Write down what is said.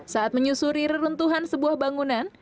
saat menyusuri reruntuhan sebuah bangunan